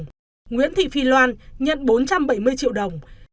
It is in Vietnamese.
bị can nguyễn tín nhận năm trăm linh triệu đồng